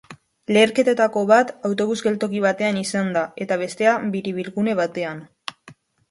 Leherketetako bat autobus geltoki batean izan da, eta bestea biribilgune batean.